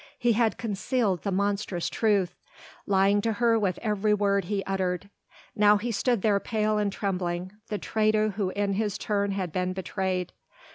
He had concealed the monstrous truth, lying to her with every word he uttered. Now he stood there pale and trembling, the traitor who in his turn has been betrayed.